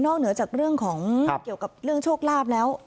เหนือจากเรื่องของเกี่ยวกับเรื่องโชคลาภแล้ว